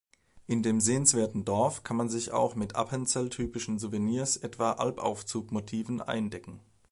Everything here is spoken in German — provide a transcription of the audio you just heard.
In dem sehenswerten Dorf kann man sich auch mit appenzell-typischen Souvenirs, etwa Alpaufzug-Motiven, eindecken.